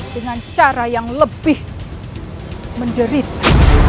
dengan cara yang lebih menderita